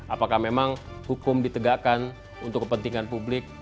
apakah memang hukum ditegakkan untuk kepentingan publik